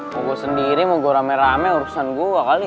mau gue sendiri mau gue rame rame urusan gue kali